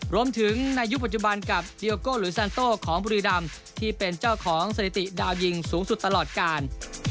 รวมถึงในยุคปัจจุบันกับเดียโก้หรือซันโต้ของบุรีดำที่เป็นเจ้าของสถิติดาวยิงสูงสุดตลอดการ